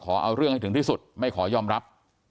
เอาเรื่องให้ถึงที่สุดไม่ขอยอมรับ